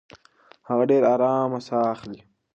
هغه ډېره ارامه ساه اخلي.